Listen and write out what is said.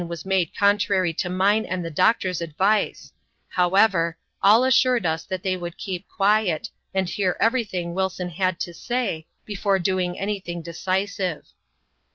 xx. was made contrary to mine and the doctor's advice ; howeyer, all assured us they would keep quiet, and hear every thing Wilson had to say, before doing any thing decisive.